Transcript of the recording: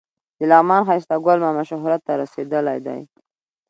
د لغمان ښایسته ګل ماما شهرت ته رسېدلی دی.